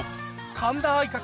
神田愛花